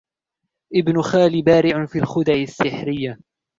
ابن خالي بارع في الخدع السحرية.